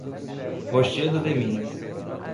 Rochedo de Minas